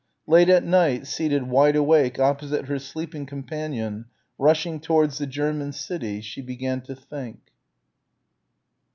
Late at night, seated wide awake opposite her sleeping companion, rushing towards the German city, she began to think.